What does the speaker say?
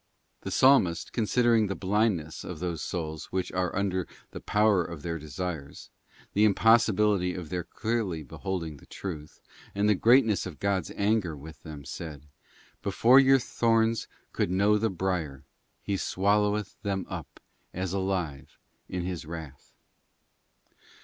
The Psalmist, considering the blindness of those souls which are under the power of their desires, the impossibility of their clearly beholding the truth, and the greatness of God's anger with them, said, ' Before your thorns could know the briar, He swalloweth them up, as alive, in His wrath.